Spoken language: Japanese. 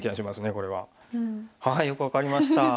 これは。よく分かりました。